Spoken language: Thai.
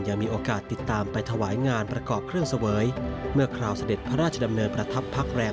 ยังมีโอกาสติดตามไปถวายงานประกอบเครื่องเสวยเมื่อคราวเสด็จพระราชดำเนินประทับพักแรม